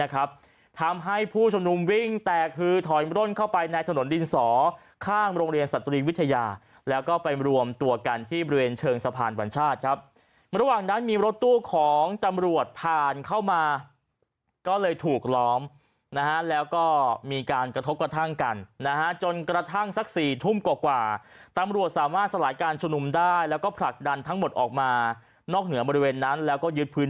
ทำให้ผู้ชมนุมวิ่งแตกคือถอยร่นเข้าไปในถนนดินสอข้างโรงเรียนสตรีวิทยาแล้วก็ไปรวมตัวกันที่บริเวณเชิงสะพานวัญชาติครับระหว่างนั้นมีรถตู้ของตำรวจผ่านเข้ามาก็เลยถูกล้อมนะฮะแล้วก็มีการกระทบกระทั่งกันนะฮะจนกระทั่งสัก๔ทุ่มกว่าตำรวจสามารถสลายการชุมนุมได้แล้วก็ผลักดันทั้งหมดออกมานอกเหนือบริเวณนั้นแล้วก็ยึดพื้น